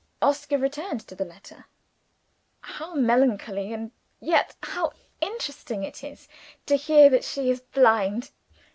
Oscar returned to the letter: "'How melancholy, and yet how interesting it is, to hear that she is blind!